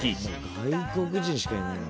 外国人しかいないよ